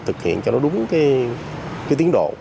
thực hiện cho nó đúng cái tiến độ